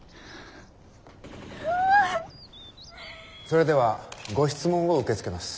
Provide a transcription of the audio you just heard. それではご質問を受け付けます。